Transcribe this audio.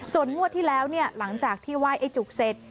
ส่วนงวดที่แล้วเนี่ยหลังจากที่ไหว้ไอ้จุกเสร็จ